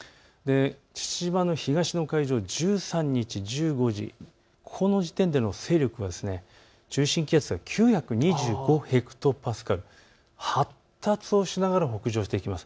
父島の東の海上、１３日、１５時、この時点での勢力が中心気圧が９２５ヘクトパスカル、発達をしながら北上してきます。